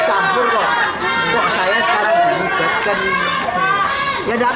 kok saya sekarang diberikan